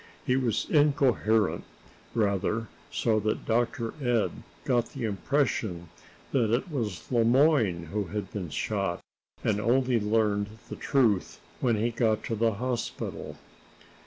He was incoherent, rather, so that Dr. Ed got the impression that it was Le Moyne who had been shot, and only learned the truth when he got to the hospital.